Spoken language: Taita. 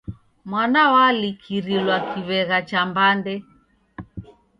Mwana walikirilwa kiw'egha cha mbande.